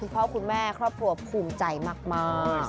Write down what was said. พ่อคุณแม่ครอบครัวภูมิใจมาก